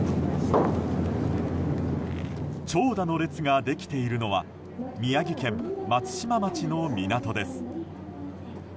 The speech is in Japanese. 長蛇の列ができているのは宮城県松島町の港です。